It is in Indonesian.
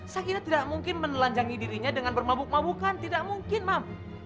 saya kira tidak mungkin menelanjangi dirinya dengan bermabuk mabukan tidak mungkin mam